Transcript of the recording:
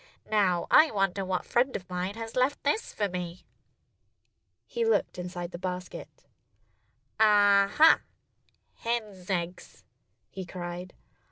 Now, I wonder what friend of mine has left this for me!" He looked inside the basket. "Ah, ha! Hens' eggs!" he cried.